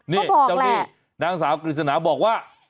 นี่เจ้านี่นางสาวกฤษณาบอกว่า